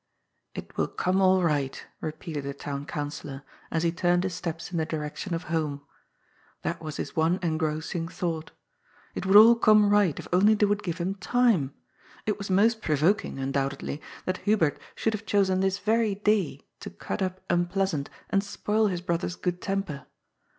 " It will come all right," repeated the Town Councillor, as he turned his steps in the direction of home. That was his one engrossing thought. It would all come' right if only they would give him time. It was most provoking, undoubtedly, that Hubert should have chosen this very day to cut up unpleasant and spoil his brother's good temper.